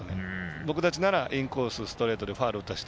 僕たちならインコースストレートでファウル打たせた。